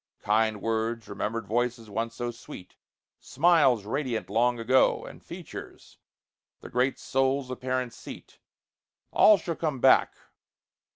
Kind words, remembered voices once so sweet, Smiles, radiant long ago, And features, the great soul's apparent seat: All shall come back.